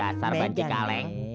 dasar banji kaleng